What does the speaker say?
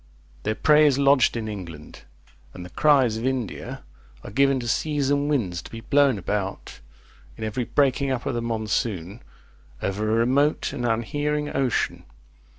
Their prey is lodged in England; and the cries of India are given to seas and winds, to be blown about, in every breaking up of the monsoon, over a remote and unhearing ocean.